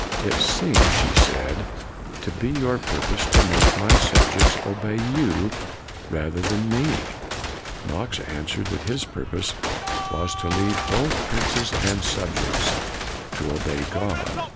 It seems," she said, " to be your purpose to make my subjects obey you rather than me." Knox answered that his purpose was to lead both princes and subjects to obey God.